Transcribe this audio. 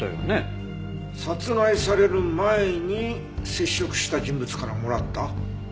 殺害される前に接触した人物からもらった。